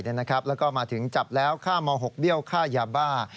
แล้วก็มาถึงจับแล้วฆ่าม๖เบี้ยวค่ายาบ้า